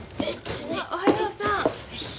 おはようさん。